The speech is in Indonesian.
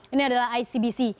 ini adalah icbc